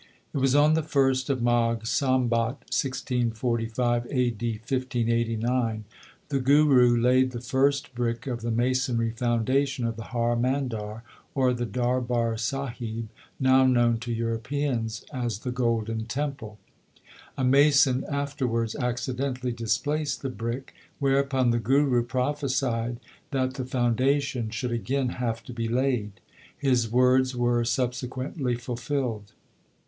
io THE SIKH RELIGION It was on the ist of Magh, Sambat 1645 (A.D. 1589), the Guru laid the first brick of the masonry founda tion of the Har Mandar, or the Darbar Sahib, now known to Europeans as the Golden Temple. A mason afterwards accidentally displaced the brick, whereupon the Guru prophesied that the foundation should again have to be laid. His words were sub sequently fulfilled.